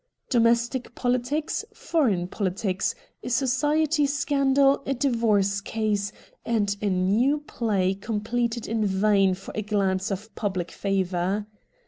Domestic politics, foreign politics, a society scandal, a divorce case, and a new play com peted in vain for a glance of public favour.